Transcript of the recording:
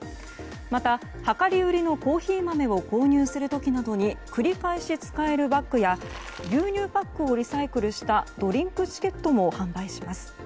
また、量り売りのコーヒー豆を購入したりする時などに繰り返し使えるバッグや牛乳パックをリサイクルしたドリンクチケットも販売します。